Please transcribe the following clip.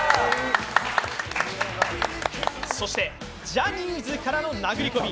そしてジャニーズからの殴り込み。